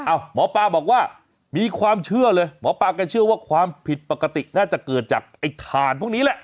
หมอปลาบอกว่ามีความเชื่อเลยหมอปลาแกเชื่อว่าความผิดปกติน่าจะเกิดจากไอ้ถ่านพวกนี้แหละ